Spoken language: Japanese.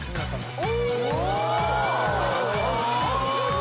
お！